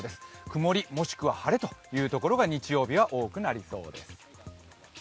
曇りもしくは晴れという所が日曜日は多くなりそうです。